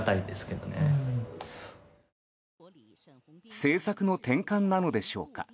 政策の転換なのでしょうか。